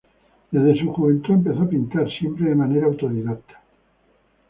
Desde su juventud empezó a pintar, siempre de manera autodidacta.